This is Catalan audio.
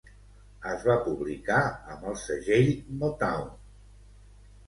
Es va publicar amb el segell Motown.